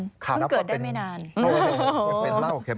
เพิ่งเกิดได้ไม่นาน